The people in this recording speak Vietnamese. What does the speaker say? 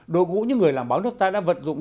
đội vũ như người làm báo nước ta đã vận dụng